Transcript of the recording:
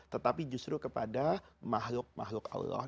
tetapi justru kepada mahluk mahluk allah